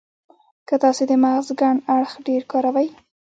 که تاسې د مغز کڼ اړخ ډېر کاروئ.